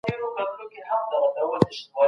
نو د دوی یهودي ژبه څه سوه؟